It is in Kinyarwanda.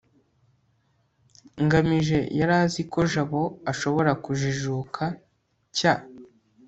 ngamije yari azi ko jabo ashobora kujijuka cy